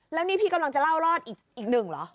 แล้วนี่พี่กำลังจะเล่ารอดอีกหนึ่งเหรอ